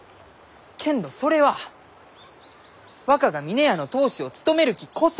けんどそれは若が峰屋の当主を務めるきこそ！